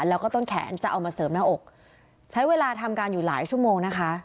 แล้วก็ต้นแขนจะเอามาเสริมหน้าอกใช้เวลาทำการอยู่หลายชั่วโมงนะคะ